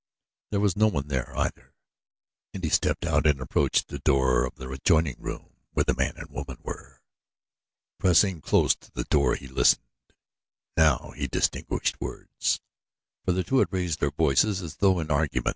There was no one there, either, and he stepped out and approached the door of the adjoining room where the man and woman were. Pressing close to the door he listened. Now he distinguished words, for the two had raised their voices as though in argument.